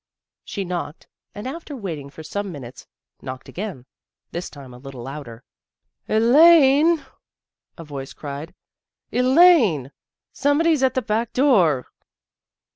She knocked, and, after waiting for some minutes, knocked again, this tune a little louder. " Elaine! " a voice cried. " Elaine! Some body's at the back door."